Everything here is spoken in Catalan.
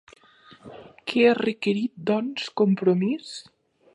Què ha requerit, doncs, Compromís?